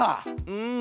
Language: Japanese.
うん。